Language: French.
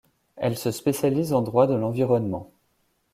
Elle se spécialise en droit de l'environnement.